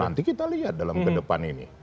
nanti kita lihat dalam kedepan ini